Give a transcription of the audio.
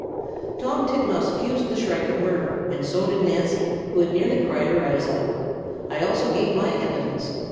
"Tom Titmouse accused the shrike of murder, and so did Nancy, who had nearly cried her eyes out. I also gave my evidence.